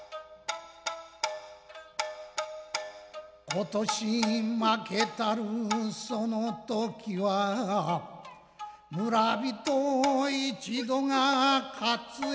今年負けたるその時は村人一同が渇え